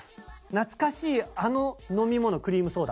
懐かしいあの飲み物クリームソーダ。